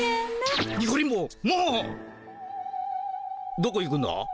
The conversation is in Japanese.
どこ行くんだ？